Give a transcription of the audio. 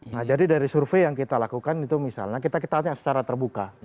nah jadi dari survei yang kita lakukan itu misalnya kita tanya secara terbuka